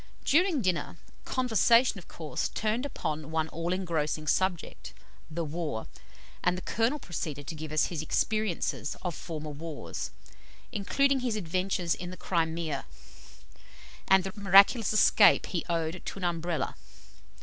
During dinner, conversation, of course, turned upon one all engrossing subject, the war, and the Colonel proceeded to give us his experiences of former wars, including his adventures in the Crimea, and the miraculous escape he owed to an Umbrella.